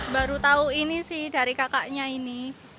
baru tahu ini sih dari kakaknya ini